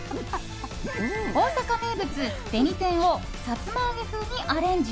大阪名物・紅天をさつま揚げ風にアレンジ。